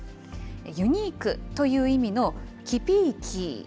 ユニークという意味のキピーキー。